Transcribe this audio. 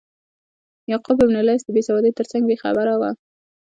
یعقوب بن لیث د بیسوادۍ ترڅنګ بې خبره و.